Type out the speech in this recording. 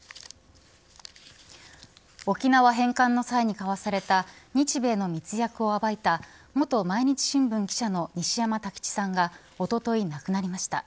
沖縄返還の際に交わされた日米の密約を暴いた元毎日新聞記者の西山太吉さんがおととい、亡くなりました。